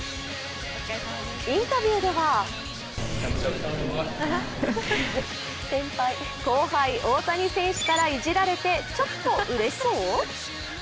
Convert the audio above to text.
インタビューでは後輩・大谷選手からいじられて、ちょっとうれしそう？